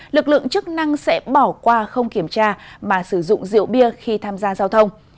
lực lượng chức năng sẽ bỏ qua không kiểm tra mà sử dụng rượu bia khi tham gia giao thông